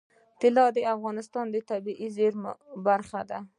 طلا د افغانستان د طبیعي زیرمو برخه ده.